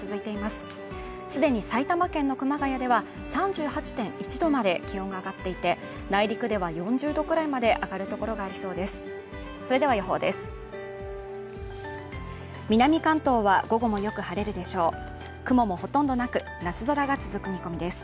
すでに埼玉県の熊谷では３８．１度まで気温が上がっていて内陸では４０度くらいまで上がる所がありそうです